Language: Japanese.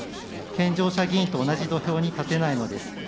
健常者議員と同じ土俵に立てないのです。